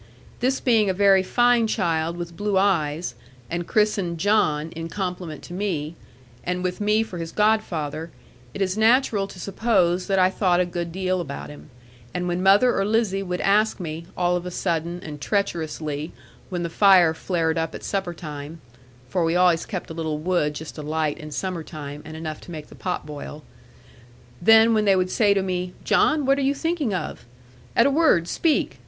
This being a very fine child with blue eyes, and christened 'John' in compliment to me, and with me for his godfather, it is natural to suppose that I thought a good deal about him; and when mother or Lizzie would ask me, all of a sudden, and treacherously, when the fire flared up at supper time (for we always kept a little wood just alight in summer time, and enough to make the pot boil), then when they would say to me, 'John, what are you thinking of? At a word, speak!'